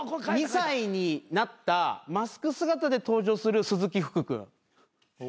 ３２歳になったマスク姿で登場する鈴木福君。